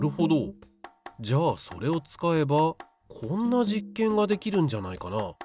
じゃあそれを使えばこんな実験ができるんじゃないかな。